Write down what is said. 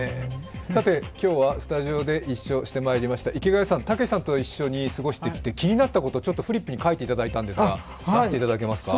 今日はスタジオでご一緒してまいりました、池谷さん、たけしさんと一緒に過ごしてきて気になったこと、フリップに書いていただいたんですが。